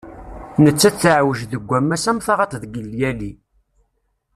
Nettat teɛweǧ deg ammas am taɣaṭ deg llyali.